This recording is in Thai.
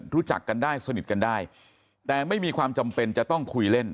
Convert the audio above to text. รู้จักกันได้สนิทกันได้แต่ไม่มีความจำเป็นจะต้องคุยเล่น